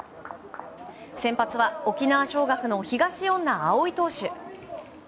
先発は沖縄尚学の東恩納蒼投手。